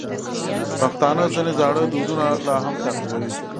پښتانه ځینې زاړه دودونه لا هم تعقیبوي.